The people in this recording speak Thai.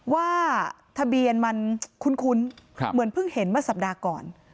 ว่าทะเบียนมันคุ้นเหมือนเพิ่งเห็นเมื่อสัปดาห์ก่อน